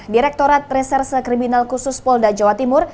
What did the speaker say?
direktorat reserse kriminal khusus polda jawa timur